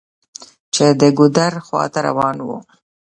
چې د ګودر خواته روان و.